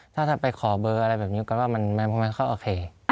ถ้าจะไปขอเบอร์อะไรแบบนี้ก็ว่ามันค่อนข้างโอเค